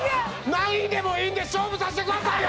何位でもいいんで勝負させてくださいよ！